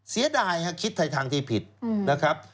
เสียดายครับคิดในทางที่ผิดนะครับ